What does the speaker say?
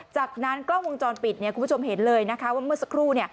จากนั้นกล้องวงจรปิดคุณผู้ชมเห็นเลยนะคะว่าเมื่อสักครู่